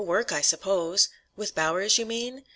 Work, I suppose." "With Bowers, you mean?